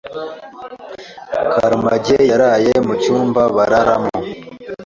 Karamage yaraye mu cyumba bararamo.